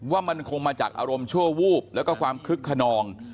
ว่ามันคงมาจากอารมณ์ชั่ววูบแล้วก็ความคึกขนอง